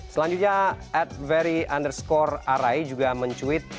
selanjutnya advery underscore arai juga men tweet